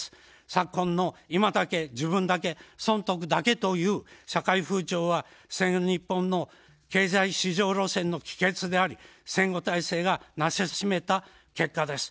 昨今の今だけ、自分だけ、損得だけという社会風潮は戦後日本の経済至上路線の帰結であり、戦後体制がなさしめた結果です。